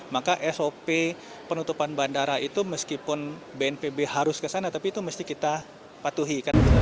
maka sop penutupan bandara itu meskipun bnpb harus kesana tapi itu mesti kita patuhi